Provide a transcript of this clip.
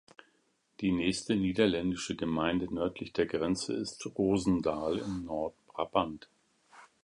Die nächste niederländische Gemeinde nördlich der Grenze ist Roosendaal in Noord-Brabant.